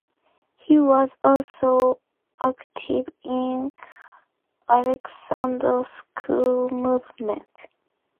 He was also active in Alexander School movement.